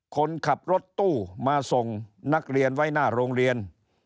คนขับรถตู้มาส่งนักเรียนไว้หน้าโรงเรียน